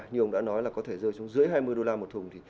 như ông đã nói là có thể rơi xuống dưới hai mươi đô la một thùng